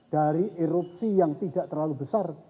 dari erupsi yang tidak terlalu besar